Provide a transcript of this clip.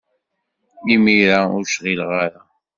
Imir-a, ur cɣileɣ ara.